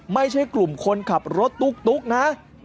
ไม่ใช่กลุ่มคนขับรถตุ๊กนะ